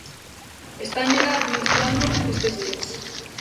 Estánllela administrando estes días.